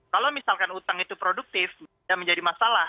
kalau misalkan utang itu produktif dan menjadi masalah